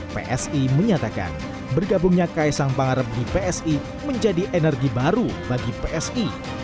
psi menyatakan bergabungnya kaisang pangarep di psi menjadi energi baru bagi psi